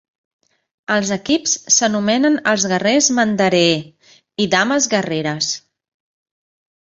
Els equips s'anomenen els "Guerrers Mandaree" i "Dames guerreres".